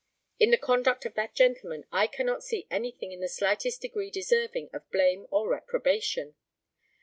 In the conduct of that gentleman I cannot see anything in the slightest degree deserving of blame or reprobation.